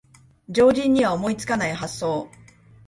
常人には思いつかない発想